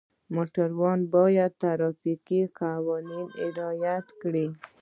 موټروان باید د ټرافیک قوانین رعایت کړي.